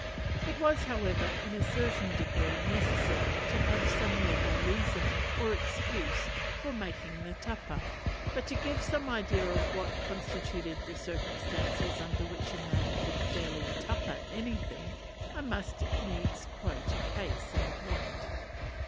It was, however, in a certain degree necessary to have some legal reason, or excuse, for making the tapa; but to give some idea of what constituted the circumstances under which a man could fairly tapa anything, I must needs quote a case in point.